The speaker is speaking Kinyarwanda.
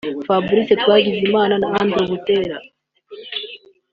Fabrice Twagizimana na Andrew Buteera